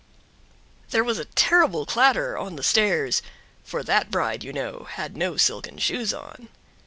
There was a terrible clatter on the stairs; for that bride, you know, had no silken shoes on.